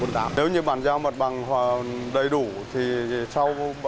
nếu như bản giao mật bằng đầy đủ thì sao